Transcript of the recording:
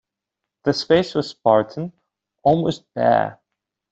The space was spartan, almost bare.